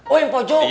oh yang pojok